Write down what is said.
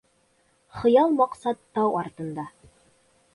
Хыял-маҡсат тау артында